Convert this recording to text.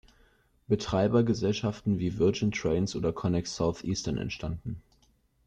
Betreibergesellschaften wie Virgin Trains oder "Connex South Eastern" entstanden.